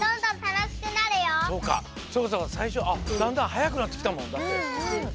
だんだんはやくなってきたもんだって。